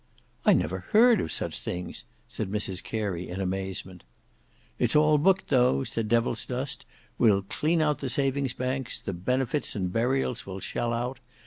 "I never heard of such things," said Mrs Carey in amazement. "It's all booked, though," said Devilsdust. "We'll clean out the Savings' Banks; the Benefits and Burials will shell out.